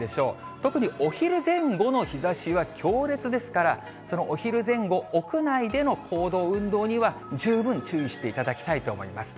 特にお昼前後の日ざしは強烈ですから、そのお昼前後、屋内での行動、運動には十分注意していただきたいと思います。